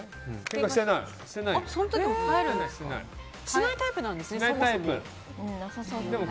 しないタイプなんですねそもそも。